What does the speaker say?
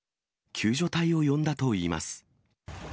救助隊を呼んだといいます。